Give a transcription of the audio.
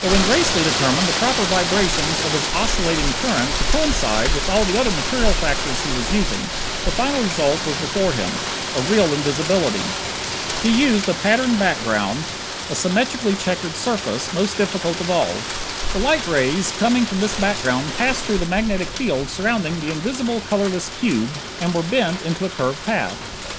But when Gracely determined the proper vibrations of his oscillating current to coincide with all the other material factors he was using, the final result was before him real invisibility. He used a patterned background a symmetrically checkered surface, most difficult of all. The light rays coming from this background passed through the magnetic field surrounding the invisible colorless cube, and were bent into a curved path.